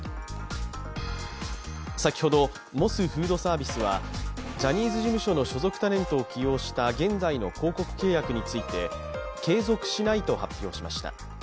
先ほどモスフードサービスはジャニーズ事務所の所属タレントを起用した現在の広告契約について継続しないと発表しました。